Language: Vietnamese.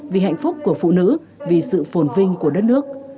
vì hạnh phúc của phụ nữ vì sự phồn vinh của đất nước